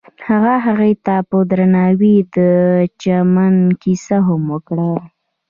هغه هغې ته په درناوي د چمن کیسه هم وکړه.